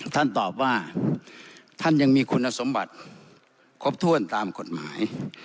ท่านตอบว่าท่านยังมีคุณสมบัติครบถ้วนตามกฎหมาย